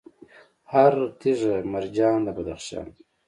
هر تیږه یې مرجان د بدخشان